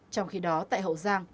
trong khi đó tại hậu giang